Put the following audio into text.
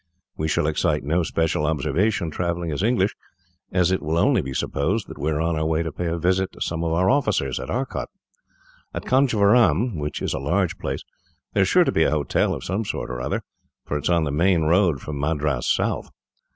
We shall excite no special observation, travelling as English, as it will only be supposed that we are on our way to pay a visit to some of our officers, at Arcot. At Conjeveram, which is a large place, there is sure to be a hotel of some sort or other, for it is on the main road from Madras south.